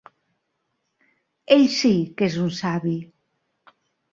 Ell sí, que és un savi.